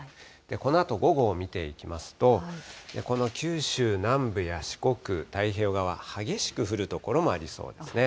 このあと午後を見ていきますと、この九州南部や四国、太平洋側、激しく降る所もありそうですね。